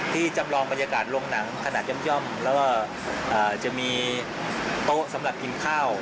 จำลองบรรยากาศลงหนังขนาดย่อมแล้วก็จะมีโต๊ะสำหรับกินข้าว